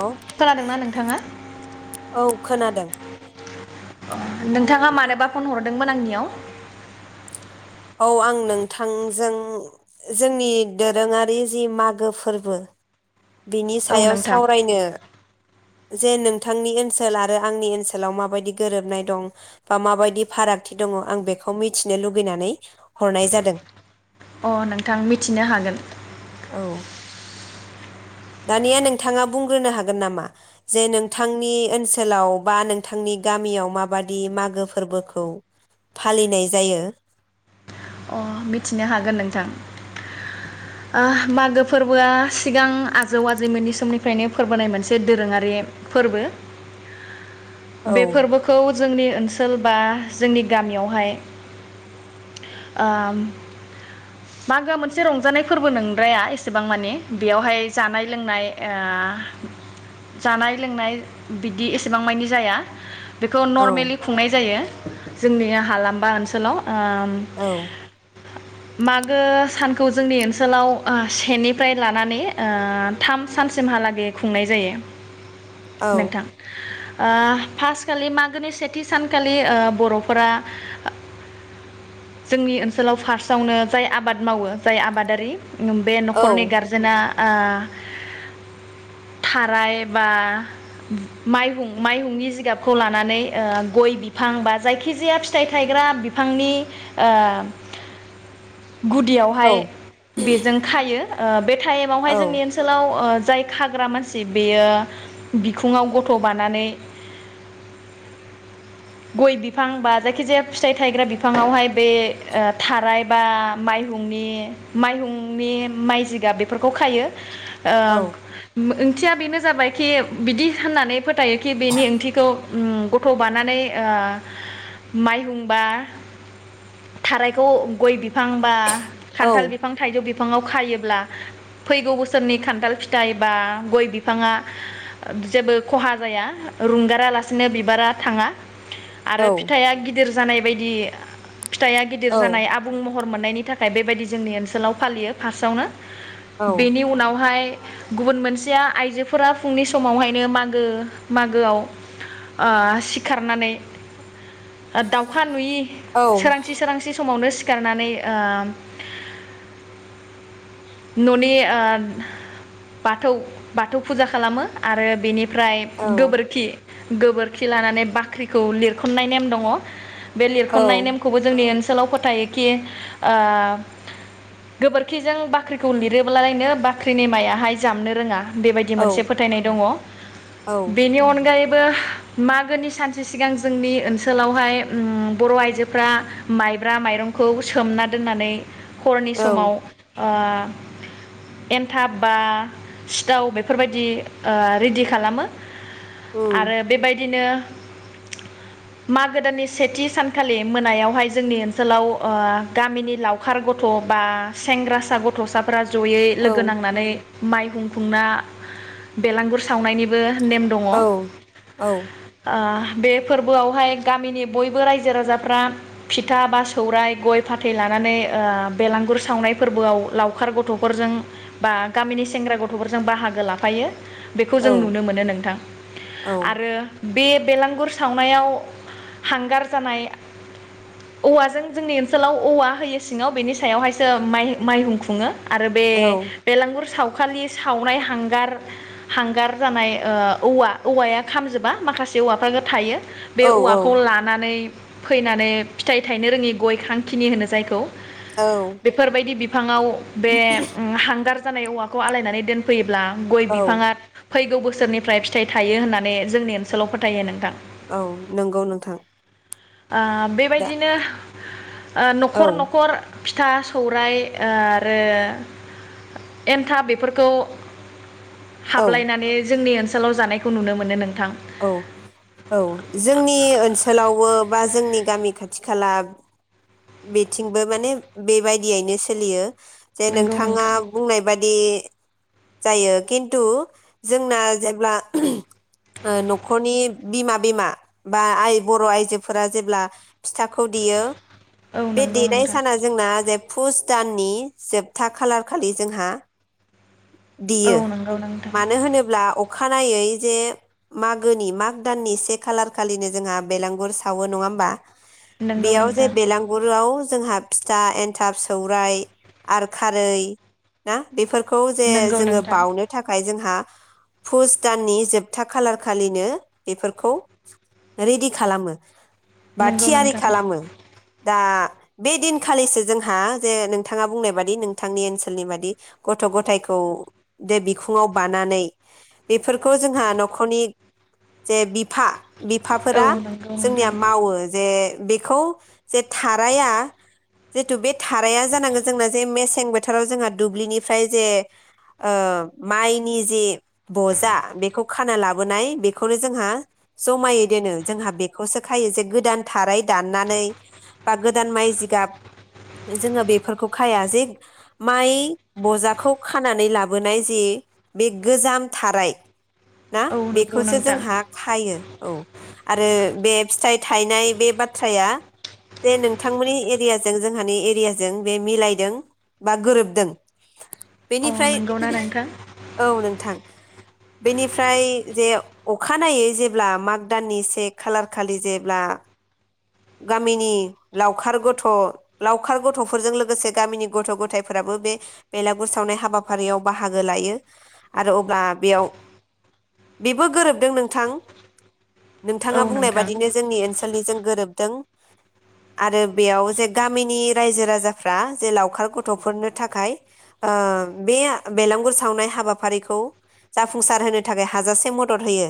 औ खोनादोंना नोंथाङा औ खोनादों। नोंथाङा मानोबा फन हरदोंमोन आंनियाव? औ आं नोंथांजों जोंनि दोरोङारि जि मागो फोरबो बिनि औ सायाव नोंथां सावरायनो जे नोंथांनि ओनसोल आरो आंनि ओनसोलाव माबायदि गोरोबनाय दं बा माबायदि फारागथि दङ आं बेखौ मिथिनो लुगैनानै हरनाय जादों। अ नोंथां मिथिनो हागोन। औ। दानिया नोंथाङा बुंग्रोनो हागोन नामा, जे नोंथांनि ओनसोलाव बा नोंथांनि गामियाव माबादि मागो फोरबोखौ फालिनाय जायो? अ मिथिनो हागोन नोंथां। ओ मागो फोरबोआ सिगां आजौ आजैमोननि समनिफ्रायनो फोरबोनाय मोनसे दोरोङारि फोरबो। औ बे फोरबोखौ जोंनि ओनसोल बा जोंनि गामियावहाय ओ मागोआ मोनसे रंजानाय फोरबो नोंद्राया एसेबां माने बेयावहाय जानाय लोंनाय ओ जानाय लोंनाय बिदि एसेबां मानि जाया। बेखौ औ नरमेलि खुंनाय जायो। जोंनि हालाम बा ओनसोलाव ओ औ मागो सानखौ जोंनि ओनसोलाव सेनिफ्राय लानानै ओ थाम सानसिमहालागै खुंनाय जायो। औ नोंथां ओ फार्स्ट खालि मागोनि सेथि सानखालि ओ बर'फोरा जोंनि ओनसोलाव फार्स्टआवनो जाय आबाद मावो जाय आबादारि बे न'खरनि औ गारजेना ओ थाराय बा माइहुं माइहुंनि जिगाबखौ लानानै ओ गय बिफां बा जायखिजाया फिथाइ थायग्रा बिफांनि ओ औ गुदियावहाय बेजों खायो। ओ बे औ टाइमावहाय जोंनि ओनसोलाव ओ जाय खाग्रा मानसि बेयो बिखुङाव गथ' बानानै [inaudible] गय बिफां बा जायखि जाया फिथाइ गायग्रा बिफांआवाहाय बे ओ थाराय बा माइहुंनि माइहुंनि माइ जिगाब बेफोरखौ खायो। ओ औ मो ओंथिया बेनो जाबायखि बिदि होननानै फोथायोखि बेनि ओंथिखौ ओम गथ' बानानै ओ माइहुं बा थारायखौ गय बि बिफां बा औ खान्थाल बिफां थाइजौ बिफां फाङाव खायोब्ला फैगौ बोसोरनि खान्थाल फिथाइ बा गय बिफाङा जेबो खहा जाया रुंगारालासिनो बिबारा थाङा औ आरो फिथाइया गिदिर जानाय बायदि फिथाइया औ गिदिर जानाय आबुं हर मोननायनि थाखाय बेबायदि जोंनि ओनसोलाव फालियो फार्स्टआवनो। औ बेनि उनावहाय गुबुन मोनसेया आइजोफोरा फुंनि समावहायनो मागो मागोआव ओ सिखारनानै दाउखा नुयि औ सोरांसि सोरांसि समावनो सि सिखारनानै ओ न'नि ओ बाथौ बाथौ फुजा खालामो आरो बेनि ओमफ्राय औ गोबोरखि गोबोरखि लानानै बाख्रिखौ लिरखुमनाय नेम दङ। बे लिरखननाय नेमखौबो जोंनि ओनसो सोलाव फोथायोखि ओ गोबोरखिजों बाख्रि खौ लिरोबोल लायनो बाख्रिनि माइया हाय जामनो रोङा। बेबायदि मोनसे औ फोथायनाय दङ। औ बेनि अनगायै बो मागोनि सानसे सिगां जोंनि ओनसोलावहाय उम बर' आइजोफ्रा माइब्रा माइरंखौ सोमना दोननानै हरनि औ समाव ओ एन्थाब बा सिथाव बेफोरबायदि ओ रेडि खालामो। [inaudible] उम आरो बेबायदिनो मागो दाननि सेथि सानखालि मोनायावहाय जोंनि ओनसोलाव ओ गामिनि लावखार गथ' बा सेंग्रासा ग थ साफोरा जयै औ लोगो नांनानै माइहुं खुंना बेलांगुर सावनायनिबो नेम दङ। ओ औ औ बे फोरबोआवहाय गामिनि बयबो रायजो राजाफ्रा फिथा बा सौराय गय फाथै लानानै ओ बेलांगुर सावनाय फोरबोआव लावखार गथ'फोरजों बा गामिनि सेंग्रा गथ'फोरजों बाहागो लाफायो। बेखौ औ जों नुनो मोनो नोंथां। औ आरो बे बेलांगुर सावनायाव हांगार जानाय औवाजों जोंनि ओनसोलाव औवा होयो सिङाव बेनि सायावहायसो माइ माइहुं खु खुङो। आरो बे बेलांगुर साव खालि सावनाय हांगार हांगार जानाय ओ औवा औवाया खामजोबा माखासे औवाफ्राबो थायो। बे औ औवाखौ लानानै फैनानै फिथाइ थायनो रोङि गयखांखिनि होनो जायखौ। औ बेफोरबायदि बिफाङाव बे उम हांगार जानाय औवाखौ आलायनानै दोनफैयोब्ला गय औ बिफाङा फैगौ बोसोरनिफ्राय फिथाइ थायो होननानै जोंनि ओनसोलाव फोथायो नोंथां। औ नंगौ नोंथां। ओ दा बेबायदिनो ओ औ न'खर न'खर फिथा सौराइ आरो एन्थाब बेफोरखौ औ हाबलायनानै जोंनि ओनसोल लाव जानायखौ नुनो मोनो नोंथां। औ औ जोंनि ओनसोलावबो बा जोंनि गामि खाथि खाला बेथिंबो माने बेबायदियैनो सोलियो। जे नंगौ नोंथाङा नोंथां बुंनाय बाय दि जायो खिन्थु जोंना जेब्ला ओ नखरनि बिमा बिमा बा आइ बर' आयजोफोरा जेब्ला फिथाखौ देयो औ बे नंगौ देनाय नोंथां साना जोंना जे पुस दाननि जोबथा खालारखालि जोंहा औ देयो नंगौ नोंथां मानो होनोब्ला अखा अखानायै जे मागोनि माग दाननि से खालार खालिनो जोंहा बेलांगुर सावो नङा होमबा नंगौ बियाव जे नोंथां बेलांगुराव जोंहा फिथा एनथाब, सौराइ आरो खारै ना बेफो खौ जे नंगौ जोङो नोंथां बावनो थाखाय जों जोंहा पुस दाननि जोबथा खालार खालिनो बेफोरखौ रेडि खालामो। बा नंगौ थियारि नोंथां खालामो दा बे दिनखालिसो जोंहा जे नोंथाङा बुंनाय बादि नोंथांनि ओनसोलनि बादि गथ' गथायाइखौ बे बिखुङाव बानानै बेफोरखौ जोंहा न'खरनि जे बिफा औ बिफाफोरा नंगौ नोंथां जोंनिया मावो जे बेखौ जे थाराया जिथु बे थाराया जानांगोन जोंना जे मेसें बोथोराव जोंहा दुब्लिनि फ्राय जे ओ माइनि जे बजा बेखौ खाना लाबोनाय बेखौनो जोंहा जमायै दोनो जोंहा बेखौसो खायो जे गोदान थाराय दाननानै बा गोदान माइ जिगाब जोङो बेफोरखौ खाया जे माइ बजाखौ खानानै लाबोनाय जे बे गोजाम थाराय ना औ नंगौ बेखौसो नोंथां जोंहा खायो औ आरो बे फिथाइ थायनाय बे बाथ्राया जे नोंथांमोननि एरियाजों जोंहानि एरियाजों बे मिलायदों बा गोरोबदों। अ बेनिफ्राय नंगौना नोंथां औ नोंथां बेनिफ्राय जे अखानायै जेब्ला माग दाननि से खालार खालि जेब्ला गामिनि लावखार गथ लावखार गथ'फोरजों लोगोसे गामिनि गथ' गथायफोराबो बे बेलागुर सावनाय हाबाफारियाव बाहागो लायो आरो अब्ला बेयाव बेबो गोरोबदों नोंथां औ नोंथाङा बुंनाय नोंथां बादिनो जोंनि ओनसोलनि जों गोरोब दों आरो बेयाव जे गामिनि रायजो राजाफ्रा जे लावखार गथ'फोरनो थाखाय ओ बे बेलगुर सावनाय हाबाफारिखौ जाफुंसार होनो थाखाय हाजासे मदद होयो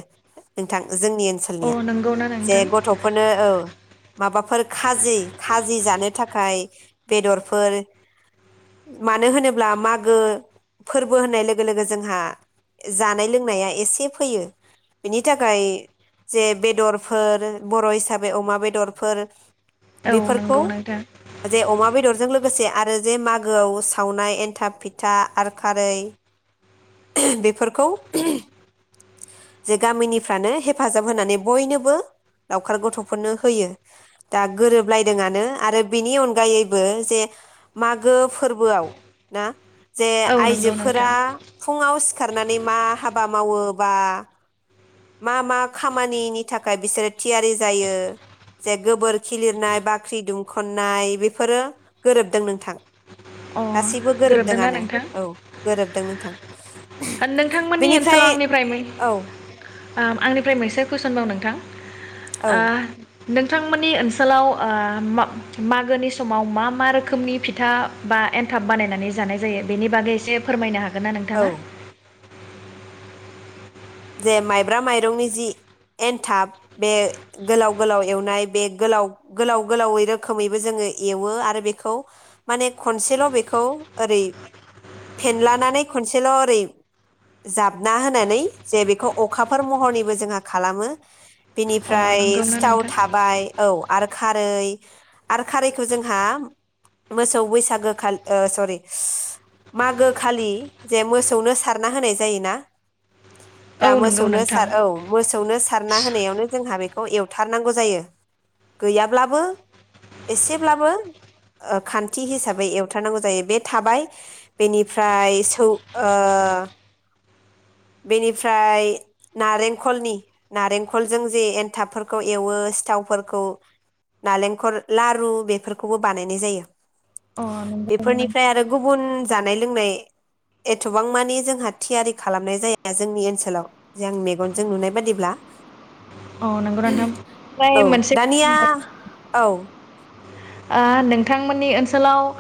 नोंथां जोंनि अ ओनसोलनिया नंगौना जे नोंथां गथ'फोरनो औ माबाफोर खाजि खाजि जानो थाखाय बेदरफोर मानो होनोब्ला मागो फोरबो होननाय लोगो लोगो जोंहा जानाय लोंनाया एसे फैयो बेनि थाखाय जे बेदरफोर बर' हिसाबै अमा बेदर फोर औ बेफोरखौ नंगौ नोंथां जे अमा बेदरजों लो लोगोसे आरो जे मागोआव सावनाय एन्थाब फिथा आर खारै बेफोरखौ जे गामिनिफ्रानो हेफाजाब होनानै बयनोबो लावखार गथ'फोरनो होयो। दा गोरोबलायदोंआनो आरो बिनि अनगायैबो जे मागो फोरबोआव ना जे औ नंगौ आइजोफोरा नोंथां फुङाव सिखारनानै मा हाबा मावोबा मा मा खामानिनि थाखाय बिसोरो थियारि जायो जे गोबोर खि लिरनाय बाख्रि दुंखन्नाय बेफोरो गोरोबदों नोंथां अ गासैबो गोरोबदोंना गोरोबदोंआनो नोंथां औ गोरोबदों नोंथां नोंथांमोननि बेनिफ्राय ओनसोलाव आंनिफ्राय मोन औ आ आंनिफ्राय मोनसे कुइसन बाव नोंथां औ ओ नोंथांमोननि ओनसोलाव ओ मा-मागोनि समाव मा मा रोखोमनि फिथा बा एन्थाब बानायनानै जानाय जायो बेनि बागै एसे फोरमायनो हागोन? हागोन ना औ नोंथाङा जे माइब्रा माइरंनि जि एन्थाब बे गोलाव गोलाव एवनाय बे गोलाव गोलाव गोलावै रोखोमैबो जोङो एवो आरो बेखौ माने खनसेल बेखौ ओरै फेनलानानै खनसेल ओरै जाबना होनानै जे बेखौ अखाफोर महरनिबो जोंहा खालामो। अ बिनिफ्राय नंगौना सिथाव नोंथां थाबाय औ आरो खारै आरो खारैखो जोंहा मोसौ बैसागो खालि ओ सरि मागो खालि जे मोसौनो सारना होनाय जायोना दा औ नंगौ मोसौनो नोंथां सार औ मोसौनो सारना होनायावनो जोंहा बे खौ एवथारनांगौ जायो गैयाब्लाबो एसेब्लाबो ओ खान्थि हिसाबै एवथारनांगौ जायो बे थाबाय बेनिफ्राय सौ ओ बेनिफ्राय नारेंखलनि नारेंखलजों जे एनथाबफोरखौ एवो सिथावफोरखौ नारेंखल लारु बेफोरखौबो बानायनाय जायो। अ नंगौ बेफोरनिफ्राय आरो गुबुन जानाय लोंनाय एथबां मानि जोंहा थियारि खालाम नुनाय जाया जोंनि ओनसोलाव जों मेगनजों नुनाय बादिब्ला। औ नंगौना नोंथां ओमफ्राय औ मोनसे दानिया औ [unintelligible] ओ नोंथांमोननि ओनसोलाव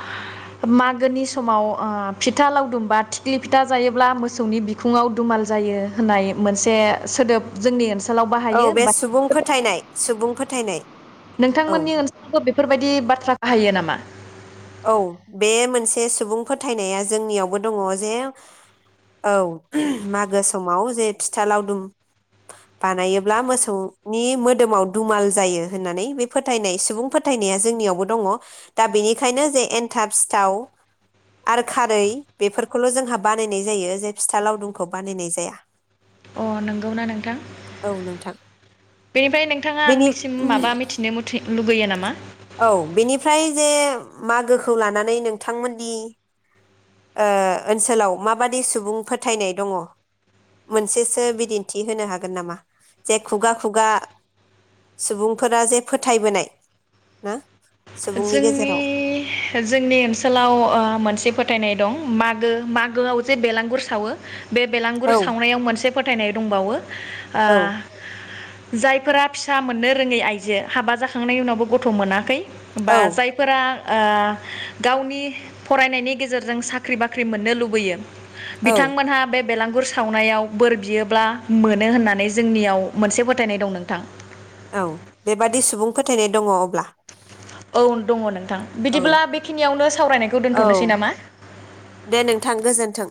मागोनि समाव ओ फिथा लावदुमबा थिख्लि फिथा जायोब्ला मोसौनि बिखुङाव दुमाल जायो होननाय मोनसे सोदोब जोंनि ओनसोल औ बे सुबुं फोथायनाय सुबुं फोथायनाय। औ नोंथांमोननि ओनसोलावबो बेफोरबायदि बाथ्रा बाहायो नामा। बा। औ बे मोनसे सुबुं फोथायनाया जोंनियावबो दङ जे औ मागो समाव जे फिथा लावदुम बानायोब्ला मोसौनि मोदोमाव दुमाल जायो होननानै बे फोथायनाय सुबुं फोथायनाया जोंनियावबो दङ दा बेनि बेखायनो जे एन्थाब सिथाव आरो खारै बेफोरखौल जोंहा बानायनाय जायो जे फिथा लावदुमखौ बानायनाय जाया। अ नंगौ ना नोंथां औ नोंथां बेनिफ्राय नोंथाङा बेनि आंनिसिम माबा मिथिनो मथै लुगैयो नामा। औ बेनिफ्राय जे मागोखौ लानानै नोंथांमोननि ओ ओनसोलाव माबादि सुबुं फोथायनाय दङ मोनसेसो बिदिन्थि होनो हागोन नामा जे खुगा खुगा सुबुंफोरा जे फोथायबोनाय हो जोंनि जोंनि ओनसोलाव ओ मोनसे फोथायनाय दं मागो मागोआव जे बेलाांगुर सावो। बे बेलांगुर औ सावनायाव मोनसे फोथायनाय दंबावो ओ। औ जायफोरा फिसा मोननो रोङै आइजो हाबा जाखांनायनि उनावबो गथ मोनाखै। बा औ जायफोरा। गावनि फरायनायनि गेजेरजों साख्रि बाख्रि मोननो लुबैयो। औ बिथांमोनहा बे। बेलांगुर सावनायाव बोर बियोब्ला मोनो होननानै जोंनियाव मोनसे फोथायनाय दं नोंथां। औ बेबादि सुबुं फोथायनाय दङ। अब्ला औ दङ नोंथां औ बिदिब्ला बेखिनियावनो सावरायनायखौ औ दोनथनोसै नामा। दे नोंथां गोजोन्थों।